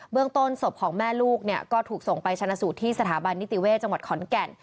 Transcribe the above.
เรื่องต้นศพของแม่ลูกเนี่ยก็ถูกส่งไปชนะสูตรที่สถาบันนิติเวศจังหวัดขอนแก่น